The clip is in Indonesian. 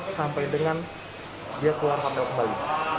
sampai dengan dia keluar hotel kembali